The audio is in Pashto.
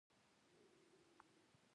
افغانستان د خپل منځي جګړو له امله خراب سو.